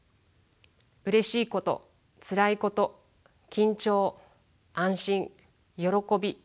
うれしいことつらいこと緊張安心喜び達成感